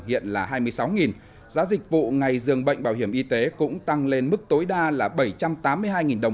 hiện là hai mươi sáu đồng giá dịch vụ ngày dường bệnh bảo hiểm y tế cũng tăng lên mức tối đa là bảy trăm tám mươi hai đồng